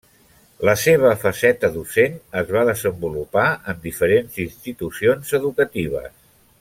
La seva faceta docent es va desenvolupar en diferents institucions educatives.